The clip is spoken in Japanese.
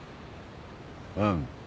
うん。